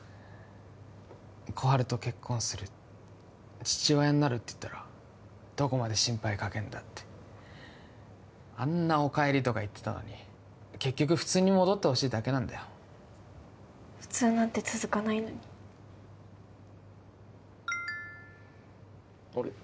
小春と結婚する父親になるって言ったらどこまで心配かけんだってあんなおかえりとか言ってたのに結局普通に戻ってほしいだけなんだよ普通なんて続かないのにあれ？